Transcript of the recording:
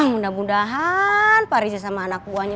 percayaan pak rija sama anak buahnya